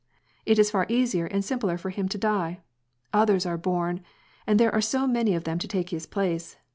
It is far easier and simpler for him to die. Others are bom, and there are so many of them to take his place